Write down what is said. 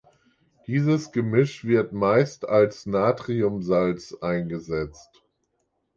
Dieses Gemisch wird meist als Natriumsalz eingesetzt.